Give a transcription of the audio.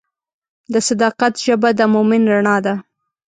د صداقت ژبه د مؤمن رڼا ده.